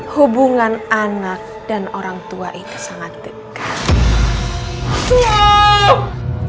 hubungan anak dan orang tua itu sangat dekat